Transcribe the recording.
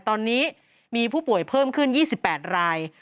ตอนนี้มีผู้ป่วยเพิ่มขึ้น๒๘ราย